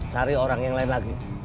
cari orang yang lain lagi